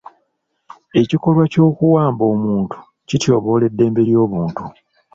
Ekikolwa ky'okuwamba omuntu kityoboola eddembe ly'obuntu.